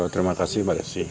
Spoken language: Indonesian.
terima kasih mbak desy